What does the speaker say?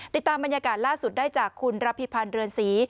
ติดตามบรรยากาศล่าสุดได้จากคุณรับพิพันธ์เรือนศรี